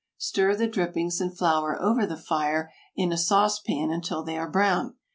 Stir the drippings and flour over the fire in a sauce pan until they are brown.